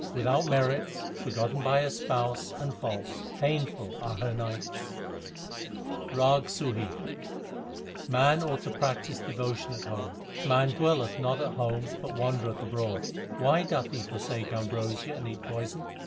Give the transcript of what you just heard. Without merits, forgotten by her Spouse, and false, painful are her nights. Z 2 340 THE SIKH RELIGION RAG SUHI Man ought to practise devotion at home : Man dwelleth not at home, but wandereth abroad. Why doth he forsake ambrosia and eat poison